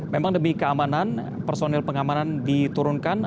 memang demi keamanan personil pengamanan diturunkan